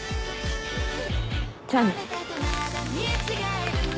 じゃあね。